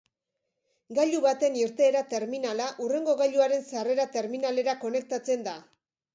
Gailu baten irteera-terminala hurrengo gailuaren sarrera-terminalera konektatzen da.